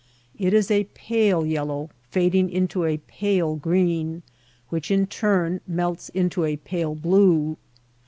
It is a pale yellow fading into a pale green, which in turn melts into a pale blue.